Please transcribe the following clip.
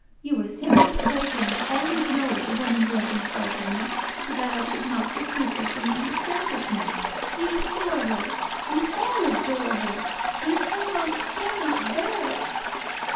You were simply praising up all you know the woman who has insulted me so that T should not dismiss her from my establishment. You adore her — you all adore her! I cannot, cannot bear it